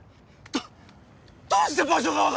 どどうして場所が分かった